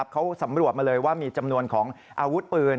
เขาสำรวจมาเลยว่ามีจำนวนของอาวุธปืน